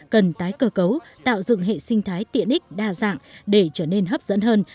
cần tái cơ cấu tạo dựng hệ sinh thái tiện ích đa dạng để trở nên hấp dẫn hơn